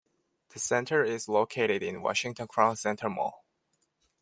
The center is located in Washington Crown Center mall.